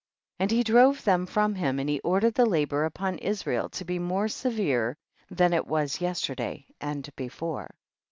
52. And he drove them from him, and he ordered the labor upon Israel to be more severe than it was yester day t and before.